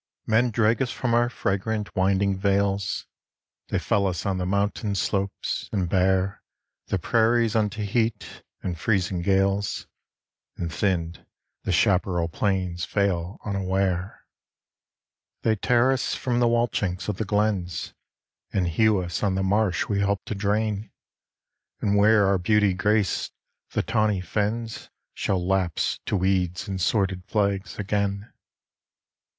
Men drag us from our fragrant winding vales, They fell us on the mountain slopes, and bare The prairies unto heat, and freezing gales, And thinned, the chaparral plains fail unaware. They tear us from the wall chinks of the glens, And hew us on the marsh we helped to drain, And where our beauty graced, the tawny fens Shall lapse to weeds and sworded flags again.